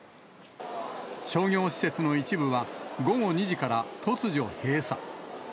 商業施設の一部は、午後２時から突如閉鎖。